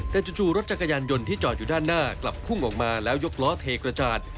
แต่จู่รถจักรยานยนต์ที่จอดอยู่ด้านหน้ากลับพุ่งออกมาแล้วยกล้อเทกระจาด